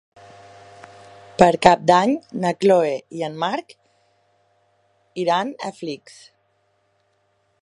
Per Cap d'Any na Chloé i en Marc iran a Flix.